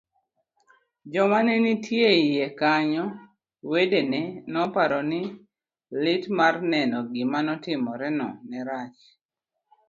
jok manenitiyie kanyo, wedene noparo ni lit mar neno gima notimorene nerachne